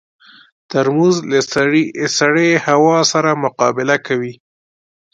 ترموز له سړې هوا سره مقابله کوي.